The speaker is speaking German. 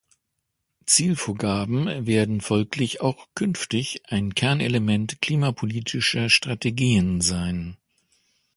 Zielvorgaben werden folglich auch künftig ein Kernelement klimapolitischer Strategien sein.